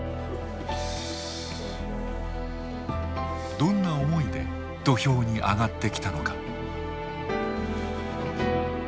どんな思いで土俵に上がってきたのか。